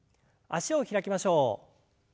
脚を開きましょう。